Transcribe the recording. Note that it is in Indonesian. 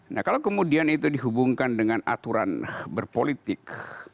nah kalau kemudian itu dihubungkan dengan aturan berpolitik